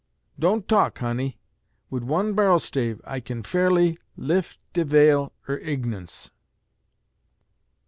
Don't talk, honey! wid one bar'l stave I kin fairly lif de vail er ignunce."